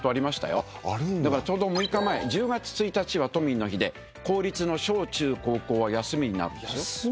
だからちょうど６日前１０月１日は都民の日で公立の小・中・高校は休みになるんですよ。